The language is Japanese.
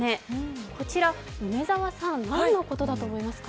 こちら梅澤さん、何のことだと思いますか？